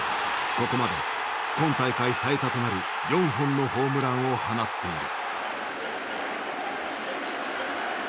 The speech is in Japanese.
ここまで今大会最多となる４本のホームランを放っている。